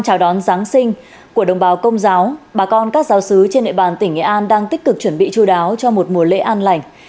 chào đón giáng sinh của đồng bào công giáo bà con các giáo sứ trên địa bàn tỉnh nghệ an đang tích cực chuẩn bị chú đáo cho một mùa lễ an lành